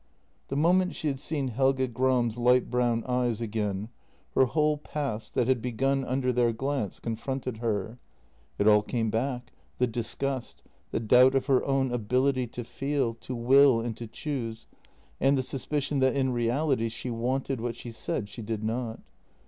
The moment she had seen Helge Gram's light brown eyes again, her whole past, that had begun under their glance, con fronted her. It all came back — the disgust, the doubt of her own ability to feel, to will and to choose, and the suspicion that in reality she wanted what she said she did not.